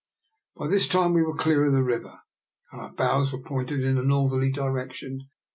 By this time we were clear of the river, and our bows were pointed in a northerly direction.